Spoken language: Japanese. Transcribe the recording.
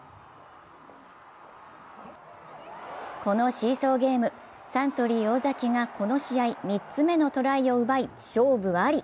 このシーソーゲーム、サントリー・尾崎がこの試合、３つ目のトライを奪い勝利あり。